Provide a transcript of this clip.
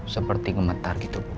seperti gemetar gitu bu